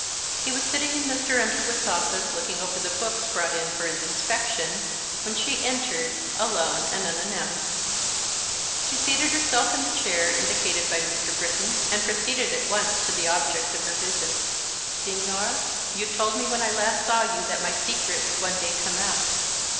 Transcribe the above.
He was sitting in Mr. Underwood's office, looking over the books brought in for his inspection, when she entered, alone and unannounced. She seated herself in the chair indicated by Mr. Britton and proceeded at once to the object of her visit. "Señor, you told me when I last saw you that my secret would one day come out.